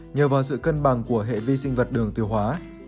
nhờ vào sự cân bằng của hệ vi sinh vật đường tiêu hóa